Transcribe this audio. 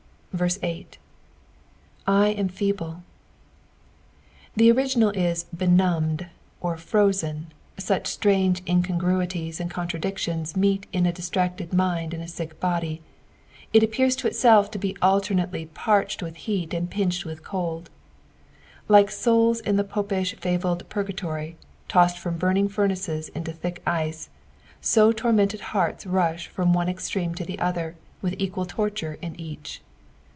8. " I am feeble." The orifpnal b "benumbed," or frozen, such strange io congruitiea and contradictions meet in a distracted mind and a sick body it appears to iFself to be altemateW parched with heat and pinched with cold. Like soulB id the Popish fabled Purgatory, tossed from burning furnaces into thick ice, so tormented hearts rush from one extreme to the other, with e<}ua] torture in each.